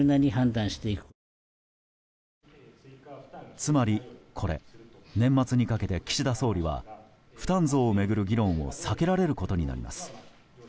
つまり、これ年末にかけて岸田総理は負担増を巡る議論を避けられることになります。